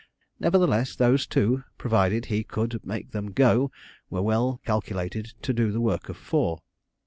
Nevertheless, those two, provided he could but make them 'go,' were well calculated to do the work of four.